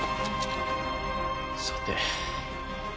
さて。